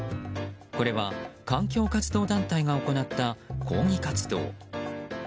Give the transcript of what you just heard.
これは環境活動団体が行った抗議活動。